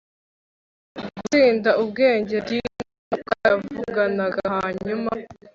gutsinda ubwenge d n umwuka yavuganaga Hanyuma